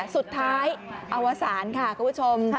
เจรจากล่ายเกลี่ยสุดท้ายอวสารค่ะคุณผู้ชม